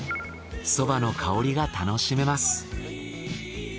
そばの香りが楽しめます。